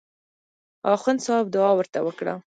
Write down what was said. اخندصاحب دعا ورته وکړه.